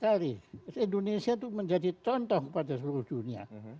bahwa tidak sekali indonesia itu menjadi contoh pada seluruh dunia